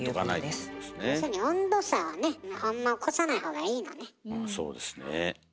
要するに温度差をねあんま起こさないほうがいいのね。